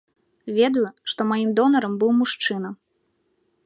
Ведаю, што маім донарам быў мужчына.